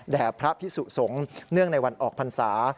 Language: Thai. พระพิสุสงฆ์เนื่องในวันออกพรรษา